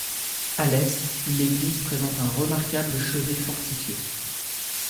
À l'est, l'église présente un remarquable chevet fortifié.